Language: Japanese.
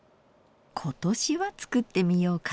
今年は作ってみようかと。